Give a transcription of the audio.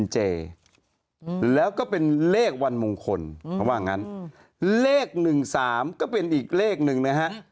เชื้องานมงคลเพราะงั้นเลข๑๓ก็เป็นอีกเลขหนึ่งนะฮะ